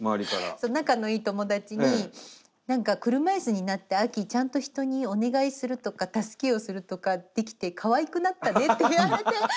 そう仲のいい友達に「何か車いすになって亜希ちゃんと人にお願いするとか助けをするとかできてかわいくなったね」って言われて。